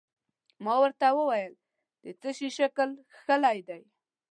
ما ورته وویل: د څه شي شکل کښلی دی؟